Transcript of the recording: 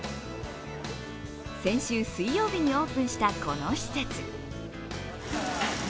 先週水曜日にオープンしたこの施設。